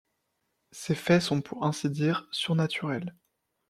Ces faits sont pour ainsi dire surnaturels…